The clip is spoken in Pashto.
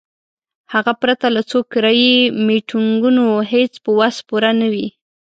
هغه پرته له څو کرایي میټینګونو هیڅ په وس پوره نه وي.